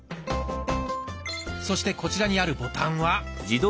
そしてこちらにあるボタンは。